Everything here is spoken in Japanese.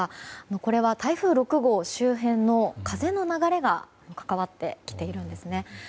これは台風６号周辺の風の流れが関わってきているんですね。